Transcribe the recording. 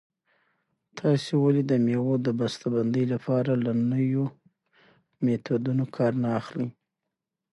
تاسې ولې د مېوو د بسته بندۍ لپاره له نویو میتودونو کار نه اخلئ؟